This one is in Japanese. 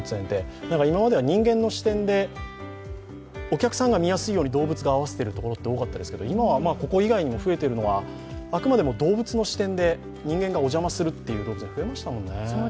今までは人間の視点でお客さんが見やすいように動物が合わせているところがありましたけれども今はここ以外にも増えているのは、あくまでも動物の視点で人間がお邪魔するという動物園が増えましたもんね。